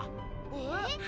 えっ？